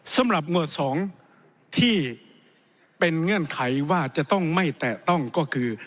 สำหรับหมวด๒ที่เป็นเงื่อนไขว่าจะต้องไม่แตะต้องก็คือ